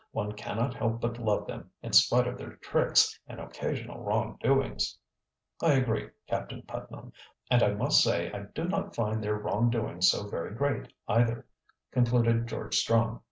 One cannot help but love them, in spite of their tricks and occasional wrong doings." "I agree, Captain Putnam. And I must say I do not find their wrong doings so very great either," concluded George Strong.